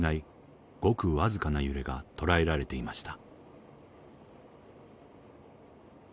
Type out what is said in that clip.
ごく僅かな揺れが捉えられていました。